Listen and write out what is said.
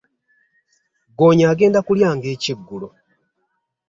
Ggoonya agenda kulya nga ekyeggulo.